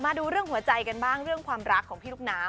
มาดูเรื่องหัวใจกันบ้างเรื่องความรักของพี่ลูกน้ำ